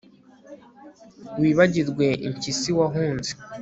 Wibagirwe impyisi wahunze